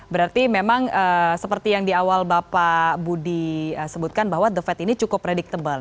berarti memang seperti yang di awal bapak budi sebutkan bahwa the fed ini cukup predictable